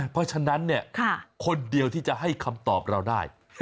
เพราะฉะนั้นคนเดียวที่จะให้คำตอบเราได้